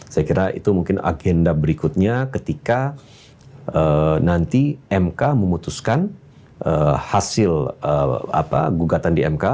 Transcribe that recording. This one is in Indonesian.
saya kira itu mungkin agenda berikutnya ketika nanti mk memutuskan hasil gugatan di mk